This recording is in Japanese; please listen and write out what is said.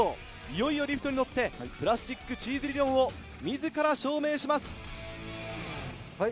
いよいよリフトに乗ってプラスチックチーズ理論を自ら証明します。